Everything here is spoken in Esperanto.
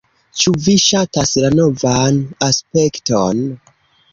Ĉu vi ŝatas la novan aspekton?